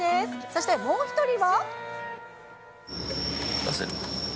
そして、もう１人は？